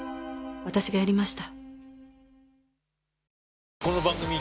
私がやりました。